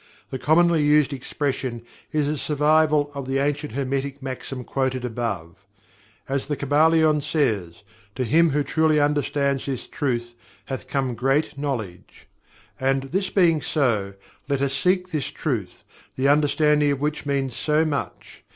The commonly used expression is a survival of the ancient Hermetic Maxim quoted above. As the Kybalion says: "To him who truly understands this truth, hath come great knowledge." And, this being so, let us seek this truth, the understanding of which means so much.